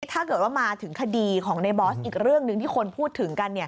ถ้าเกิดว่ามาถึงคดีของในบอสอีกเรื่องหนึ่งที่คนพูดถึงกัน